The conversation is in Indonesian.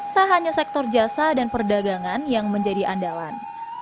tak hanya sektor jasa dan perdagangan yang menjadi andalan